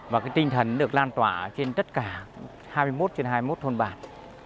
và cái tinh thần được lan tỏa trên tất cả hai mươi một trên hai mươi một thôn bạc